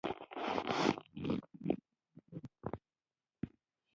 دیندارۍ مظاهر نندارې ته وړاندې کوي.